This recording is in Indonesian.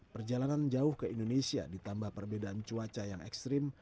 perjalanan jauh ke indonesia ditambah perbedaan cuaca yang ekstrim